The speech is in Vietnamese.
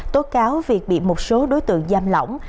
tố cáo việc bị một số đối tượng giam lỏng